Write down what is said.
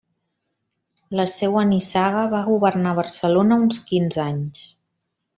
La seua nissaga va governar Barcelona uns quinze anys.